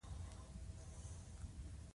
له څېړنیزو روزنیزو مرکزونو کار دی